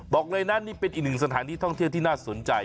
บอกเลยนะนี่เป็นอีกหนึ่งสถานที่ท่องเที่ยวที่น่าสนใจ